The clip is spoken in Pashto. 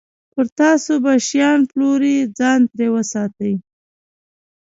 پر تاسو به شیان پلوري، ځان ترې وساتئ.